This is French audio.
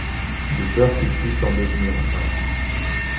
De peur qu'il puisse en devenir un.